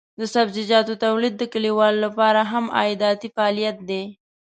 د سبزیجاتو تولید د کليوالو لپاره مهم عایداتي فعالیت دی.